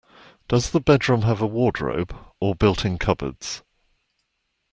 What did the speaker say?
Does the bedroom have a wardrobe, or built-in cupboards?